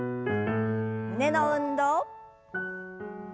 胸の運動。